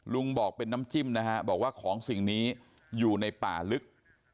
ลุงบอกเป็นน้ำจิ้มนะฮะบอกว่าของสิ่งนี้อยู่ในป่าลึก